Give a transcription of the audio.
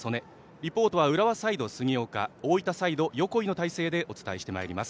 リポートは浦和サイド、杉岡大分サイド、横井の体制でお伝えしてまいります。